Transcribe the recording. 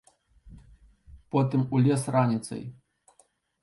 Потым у лес раніцай.